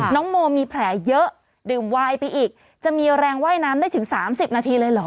น้องโมมีแผลเยอะดื่มไวน์ไปอีกจะมีแรงว่ายน้ำได้ถึง๓๐นาทีเลยเหรอ